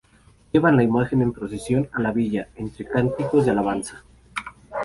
Llevan la imagen en procesión a la villa, entre cánticos de alabanza.